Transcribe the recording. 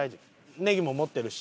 ネギも持ってるし。